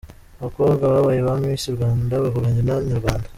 Abakobwa babaye ba 'Miss Rwanda' bavuganye na Inyarwanda.